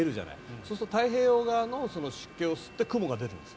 そうすると太平洋側の湿気を吸って雲が出るんです。